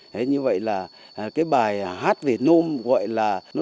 thế như vậy là cái bài hát về nôm gọi là nó đã truyền thống từ tức là bao lâu nay